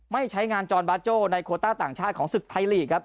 ไม่ใช้งานจอนบาโจ้ในโคต้าต่างชาติของศึกไทยลีกครับ